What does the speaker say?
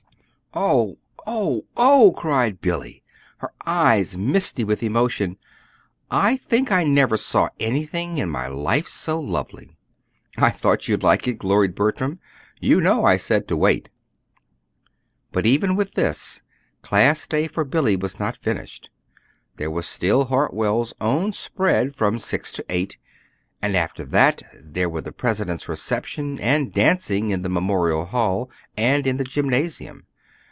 "Oh, oh, oh!" cried Billy, her eyes misty with emotion. "I think I never saw anything in my life so lovely! "I thought you'd like it," gloried Bertram. "You know I said to wait!" But even with this, Class Day for Billy was not finished. There was still Hartwell's own spread from six to eight, and after that there were the President's reception, and dancing in the Memorial Hall and in the Gymnasium.